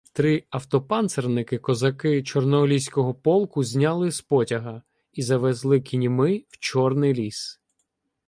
Три автопанцирники козаки Чорноліського полку зняли з потяга і завезли кіньми в Чорний ліс.